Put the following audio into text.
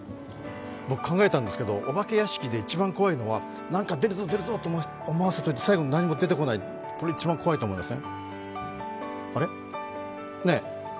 僕考えたんですが、お化け屋敷で一番怖いのはなんか出るぞ出るぞと思わせておいて最後に何も出てこない、これが一番怖いと思います。